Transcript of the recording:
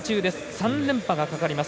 ３連覇がかかります。